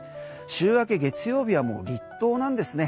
週明け月曜日は立冬なんですね。